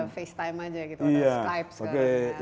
facetime saja gitu skype juga boleh